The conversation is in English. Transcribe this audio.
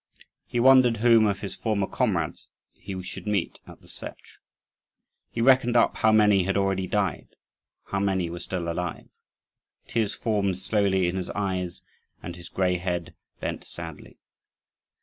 He wondered whom of his former comrades he should meet at the Setch. He reckoned up how many had already died, how many were still alive. Tears formed slowly in his eyes, and his grey head bent sadly.